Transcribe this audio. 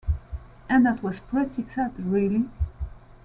And that was pretty sad really.